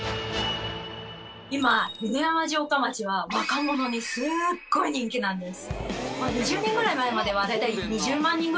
今犬山城下町は若者にすごい人気なんです。